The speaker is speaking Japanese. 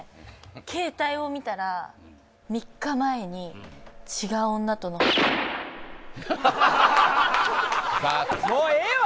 携帯を見たら３日前に違う女との○○もうええわ！